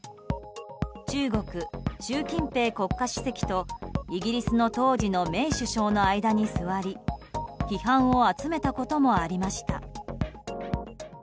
中国・習近平国家主席とイギリスの当時のメイ首相の間に座り批判を集めたこともありました。